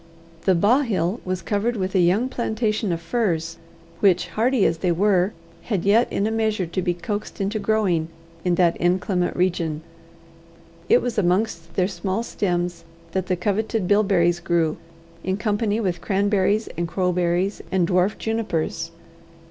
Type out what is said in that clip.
The Ba' Hill was covered with a young plantation of firs, which, hardy as they were, had yet in a measure to be coaxed into growing in that inclement region. It was amongst their small stems that the coveted bilberries grew, in company with cranberries and crowberries, and dwarf junipers.